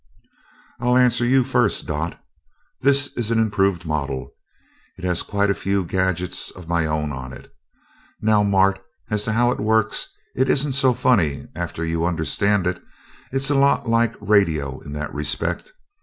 "I'll answer you first, Dot. This is an improved model it has quite a few gadgets of my own in it. Now, Mart, as to how it works it isn't so funny after you understand it it's a lot like radio in that respect.